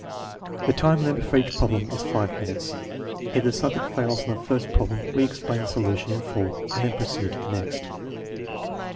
The time limit for each problem is 5 minutes. If the subject fails on the first problem, we explain the solution in full and then proceed to the next.